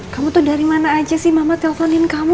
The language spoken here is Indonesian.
kamu tuh dari mana aja sih mama teleponin kamu